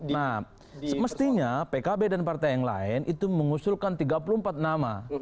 nah mestinya pkb dan partai yang lain itu mengusulkan tiga puluh empat nama